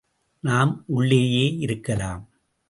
நாம் உள்ளேயே இருக்கலாம்.